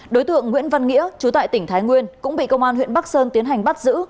đối tượng nguyễn văn nghĩa chú tại tỉnh thái nguyên cũng bị công an huyện bắc sơn tiến hành bắt giữ